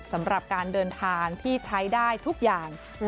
สำหรับการเดินทางที่ใช้ได้ทุกอย่าง